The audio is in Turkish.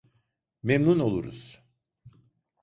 Memnun oluruz.